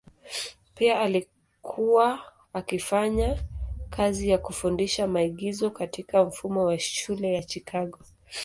Pia alikuwa akifanya kazi ya kufundisha maigizo katika mfumo wa shule ya Chicago.